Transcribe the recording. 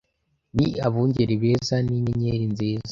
ni abungeri beza ninyenyeri nziza